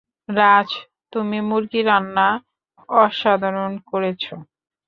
রাজ, তুমি মুরগির রান্না অসাধারণ করেছ।